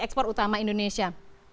ekspor utama indonesia